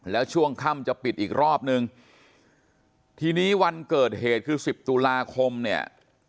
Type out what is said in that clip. แล้วช่วงค่ำจะปิดอีกรอบนึงทีนี้วันเกิดเหตุคือสิบตุลาคมเนี่ย